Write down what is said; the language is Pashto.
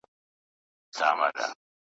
چي په سره غره کي د کنډوله لاندي ,